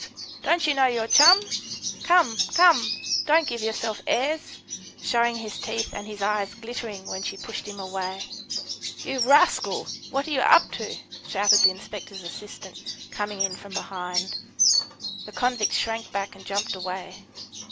don't you know your chum? Come, come; don't give yourself airs," showing his teeth and his eyes glittering when she pushed him away. "You rascal! what are you up to?" shouted the inspector's assistant, coming in from behind. The convict shrank back and jumped away.